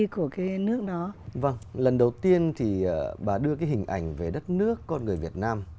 vâng lần đầu tiên thì bà đưa cái hình ảnh về đất nước con người việt nam